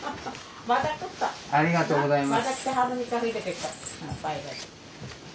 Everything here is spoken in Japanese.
ありがとうございます。